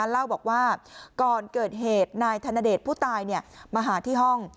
เล่าบอกว่าก่อนเกิดเหตุนายธนเดชผู้ตายมาหาที่ห้อง